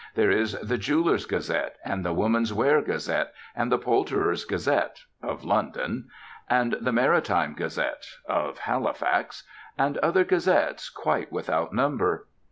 There are The Jewellers' Gazette and The Women's Wear Gazette and The Poulterers' Gazette (of London), and The Maritime Gazette (of Halifax), and other gazettes quite without number.